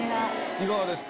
いかがですか？